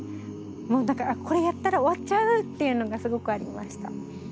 もう何かこれやったら終わっちゃうっていうのがすごくありました。